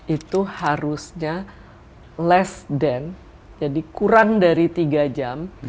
itu harusnya kurang dari tiga jam